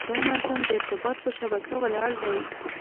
دا نظم د ارتباط په شبکه ولاړ دی.